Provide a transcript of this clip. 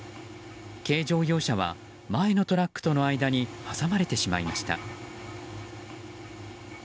軽乗用車は前のトラックとの間に挟まれてしまいました。